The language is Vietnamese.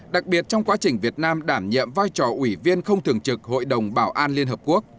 đặc biệt trong quá trình việt nam đảm nhiệm vai trò ủy viên không thường trực hội đồng bảo an liên hợp quốc